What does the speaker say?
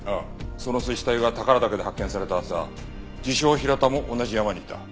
その水死体が宝良岳で発見された朝自称平田も同じ山にいた。